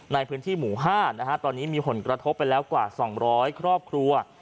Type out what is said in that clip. ในพื้นที่หมู่๕ตอนนี้มีผลกระทบไปแล้วกว่า๒๐๐ครอบครัว